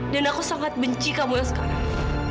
dan aku sangat benci kamu yang sekarang